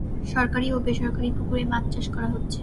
সরকারী ও বেসরকারী পুকুরে মাছ চাষ করা হচ্ছে।